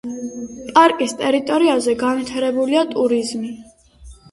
პარკის ტერიტორიაზე განვითარებულია ტურიზმი.